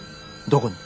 どこに？